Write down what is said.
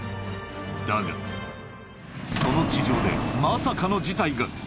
だが、その地上でまさかの事態が。